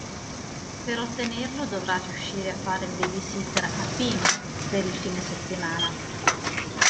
Per ottenerlo dovrà riuscire a fare il babysitter a Pim per il fine settimana.